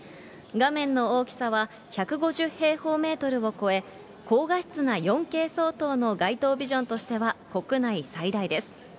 画面の大きさは１５０平方メートルを超え、高画質な４Ｋ相当の街頭ビジョンとしては国内最大です。